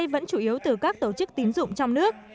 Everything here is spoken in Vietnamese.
vẫn chủ yếu từ các tổ chức tín dụng trong nước